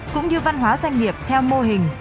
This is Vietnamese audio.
cũng như văn hóa doanh nghiệp theo mô hình